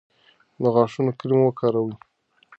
د غاښونو کریم وکاروئ.